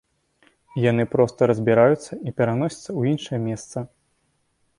Яны проста разбіраюцца і пераносяцца ў іншае месца.